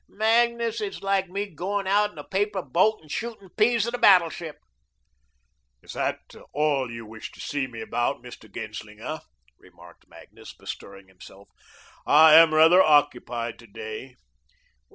Why, Magnus, it's like me going out in a paper boat and shooting peas at a battleship." "Is that all you wished to see me about, Mr. Genslinger?" remarked Magnus, bestirring himself. "I am rather occupied to day."